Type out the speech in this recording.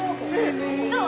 どう？